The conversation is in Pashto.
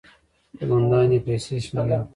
، کومندان يې پيسې شمېرلې.